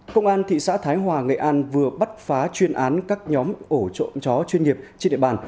công an thị xã thái hòa nghệ an vừa bắt phá chuyên án các nhóm ổ trộm chó chuyên nghiệp trên địa bàn